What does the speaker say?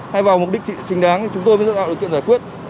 hay vào mục đích trình đáng thì chúng tôi mới dẫn dạo được chuyện giải quyết